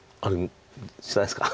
知らないですか？